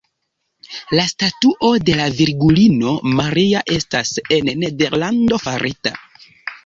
La statuo de la virgulino Maria estas en Nederlando farita.